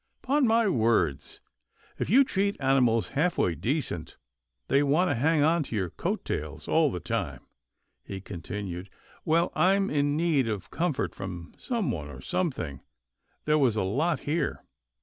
" 'Pon my words, if you treat animals half way decent, they want to hang on to your coat tails all the time —" he continued, " well, I'm in need of com fort from someone or something — there was a lot here.